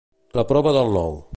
La prova del nou.